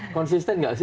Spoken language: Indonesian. konsisten nggak sih